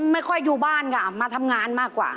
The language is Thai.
ไม่ค่อยอยู่บ้านค่ะมาทำงานมากกว่า